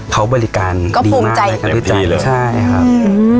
เขาบริการดีมากมากิจัดแหน่งพี่เลยใช่ครับอืม